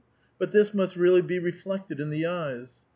But this must really be reflected in the eyes.